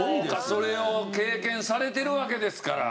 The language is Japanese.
それを経験されてるわけですから。